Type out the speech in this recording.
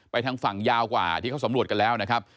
ทางฝั่งยาวกว่าที่เขาสำรวจกันแล้วนะครับ